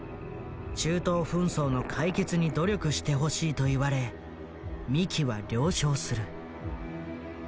中東紛争の解決に努力してほしいと言われ三木は了承する。